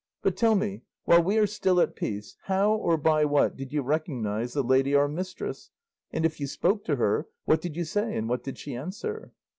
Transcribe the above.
But tell me, while we are still at peace, how or by what did you recognise the lady our mistress; and if you spoke to her, what did you say, and what did she answer?"